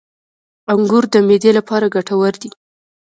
• انګور د معدې لپاره ګټور دي.